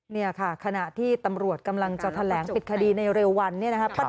นี่ค่ะขณะที่ตำรวจกำลังจะแถลงปิดคดีในเร็ววันนี้นะครับ